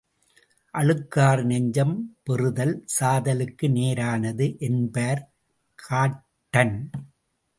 அழுக்காறு நெஞ்சம் பெறுதல் சாதலுக்கு நேரானது என்பார் காட்டன்.